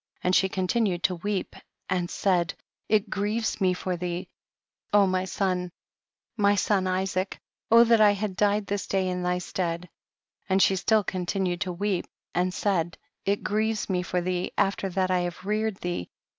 And she continued to weep and said, it grieves me for thee, O my son, my son Isaac, that I had died this day in thy stead. 80._ And she still continued to weep,' and said, it grieves me for thee after that I have reared thee and THE BOOK OF JASHER.